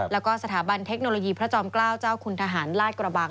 แล้วก็สถาบันเทคโนโลยีพระจอมเกล้าเจ้าคุณทหารลาดกระบัง